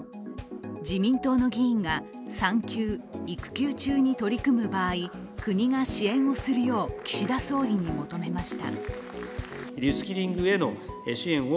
自民党の議員が産休・育休中に取り組む場合、国が支援をするよう岸田総理に求めました。